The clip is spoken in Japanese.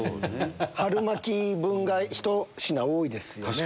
春巻き分が１品多いですよね。